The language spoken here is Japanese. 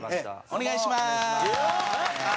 お願いします。